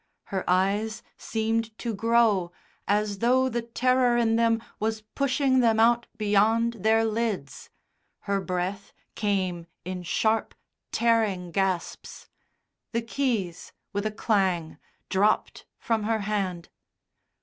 Her eyes seemed to grow as though the terror in them was pushing them out beyond their lids; her breath, came in sharp, tearing gasps. The keys with a clang dropped from her hand.